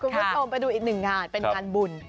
คุณผู้ชมไปดูอีกหนึ่งงานเป็นงานบุญ